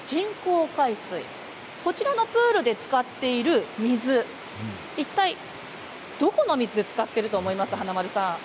こちらのプールで使っている水どこの水を使っていると思いますか、華丸さん。